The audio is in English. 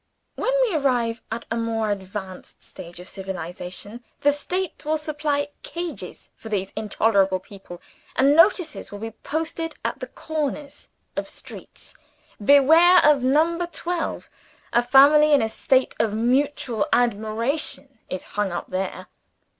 When we arrive at a more advanced stage of civilization, the State will supply cages for these intolerable people; and notices will be posted at the corners of streets, "Beware of Number Twelve: a family in a state of mutual admiration is hung up there!"